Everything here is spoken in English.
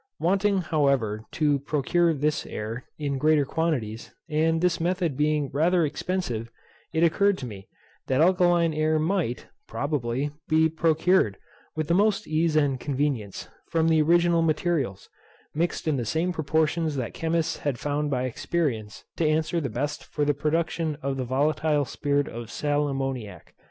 Wanting, however, to procure this air in greater quantities, and this method being rather expensive, it occurred to me, that alkaline air might, probably, be procured, with the most ease and convenience, from the original materials, mixed in the same proportions that chemists had found by experience to answer the best for the production of the volatile spirit of sal ammoniac.